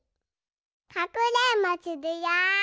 かくれんぼするよ。